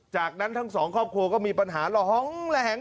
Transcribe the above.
จากนั้นทั้งสองครอบครัวก็มีปัญหาระหองระแหง